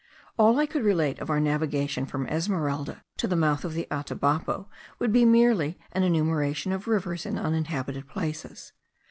All I could relate of our navigation from Esmeralda to the mouth of the Atabapo would be merely an enumeration of rivers and uninhabited places.